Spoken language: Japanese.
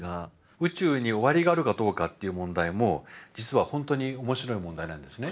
宇宙に終わりがあるかどうかっていう問題も実は本当に面白い問題なんですね。